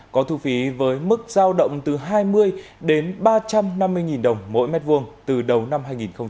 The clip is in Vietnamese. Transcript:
có thu phí với mức giao động từ hai mươi đến ba trăm năm mươi đồng mỗi mét vuông từ đầu năm hai nghìn hai mươi